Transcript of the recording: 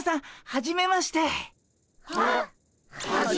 ははじめまして。